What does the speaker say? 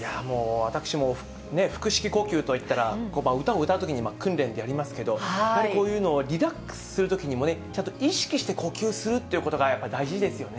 私も腹式呼吸といったら、歌を歌うときに訓練でやりますけど、やっぱりこういうのをリラックスするときにもね、ちゃんと意識して呼吸するってことがやっぱり大事ですよね。